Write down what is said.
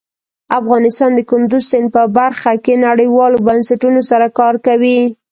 افغانستان د کندز سیند په برخه کې نړیوالو بنسټونو سره کار کوي.